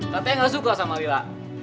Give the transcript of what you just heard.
katanya gak suka sama lila